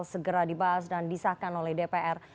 segera dibahas dan disahkan oleh dpr